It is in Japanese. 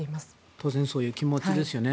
当然そういう気持ちですね。